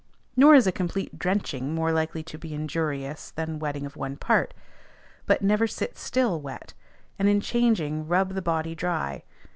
Nor is a complete drenching more likely to be injurious than wetting of one part. But never sit still wet, and in changing rub the body dry.